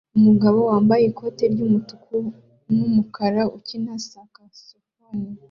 Umugabo wambaye ikoti ry'umutuku n'umukara ukina sakasofone